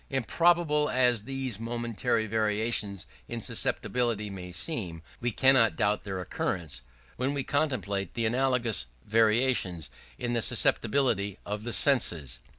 Improbable as these momentary variations in susceptibility may seem, we cannot doubt their occurrence when we contemplate the analogous variations in the susceptibility of the senses.